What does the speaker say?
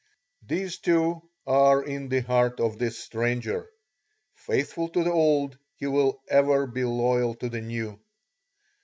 These two are in the heart of this stranger. Faithful to the old, he will ever be loyal to the new.